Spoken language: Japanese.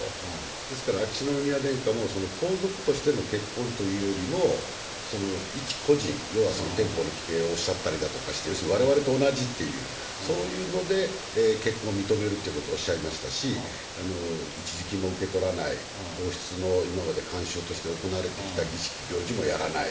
ですから、秋篠宮殿下も、皇族としての結婚というよりも、一個人、要はその憲法の規定をおっしゃったりして、要するに、われわれと同じと、そういうので、結婚を認めるということをおっしゃいましたし、一時金も受け取らない、皇室の今まで慣習として行われてきた儀式、行事もやらない。